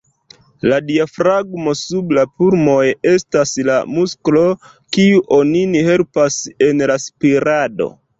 La diafragmo sub la pulmoj estas la muskolo, kiu onin helpas en la spirado.